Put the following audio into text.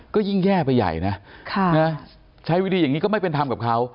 ก็ยิ่งแย่ไปใหญ่นะใช้วิธีอย่างนี้ก็ไม่เป็นธรรมกับเขา